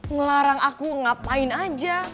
ngelarang aku ngapain aja